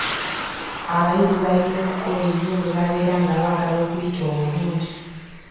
Abayizi balina okukola ennyo bwe babeera nga baagala okuyita obulungi.